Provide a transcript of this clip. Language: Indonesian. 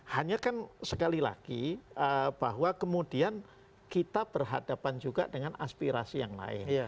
hanya kan sekali lagi bahwa kemudian kita berhadapan juga dengan aspirasi yang lain